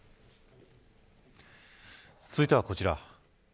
続いてはこちら。